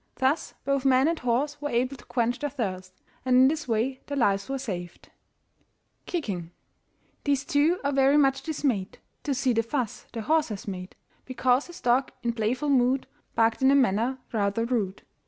Thus both man and horse were able to quench their thirst, and in this way their lives were saved. KICKING. These two are very much dismayed To see the fuss their horse has made Because this dog in playful mood Barked in a manner rather rude.